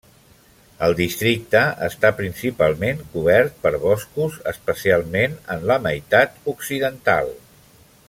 El districte està principalment cobert per boscos, especialment en la meitat occidental.